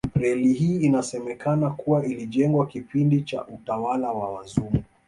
Reli hii inasemekana kuwa ilijengwa kipindi cha utawala wa wazungu